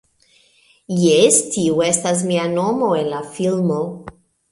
Jes tio estas mia nomo en la filmo.